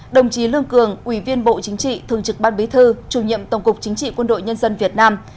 đồng chí lương cường ủy viên bộ chính trị thường trực ban bí thư chủ nhiệm tổng cục chính trị quân đội nhân dân việt nam